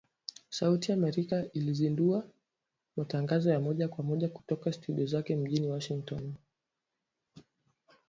Sauti ya Amerika ilizindua matangazo ya moja kwa moja kutoka studio zake mjini Washington